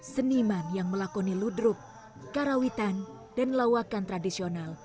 seniman yang melakoni ludrup karawitan dan lawakan tradisional